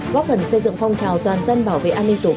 góp phần xây dựng phong trào toàn dân bảo vệ an ninh tổ quốc